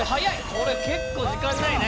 これ結構時間ないね。